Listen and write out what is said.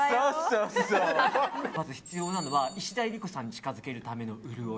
まず必要なのは石田ゆり子さんに近づけるための潤い。